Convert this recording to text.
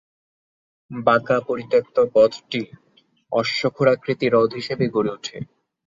বাঁকা পরিত্যক্ত পথটি অশ্বক্ষুরাকৃতি হ্রদ হিসেবে গড়ে ওঠে।